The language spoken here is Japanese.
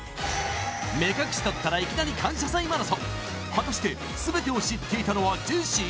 目隠し取ったらいきなり感謝祭マラソン果たして全てを知っていたのはジェシー？